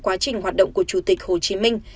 quá trình hoạt động của chủ tịch hồ chí minh